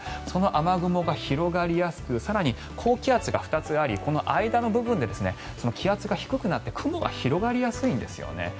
その雨雲が広がりやすく更に高気圧が２つありこの間の部分で気圧が低くなって雲が広がりやすいんですよね。